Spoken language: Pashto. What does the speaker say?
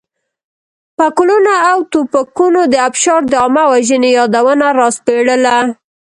پکولونه او توپکونو د ابشارو د عامه وژنې یادونه راسپړله.